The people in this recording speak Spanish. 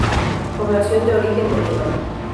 Población de origen medieval.